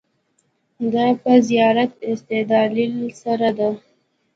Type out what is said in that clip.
دا په زیات استدلال سره ده.